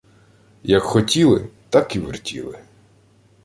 Як хотіли – так і вертіли